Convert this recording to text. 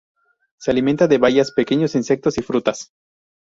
Se alimenta de bayas, pequeños insectos y frutas.